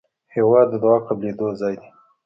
هېواد د دعا قبلېدو ځای دی.